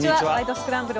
スクランブル」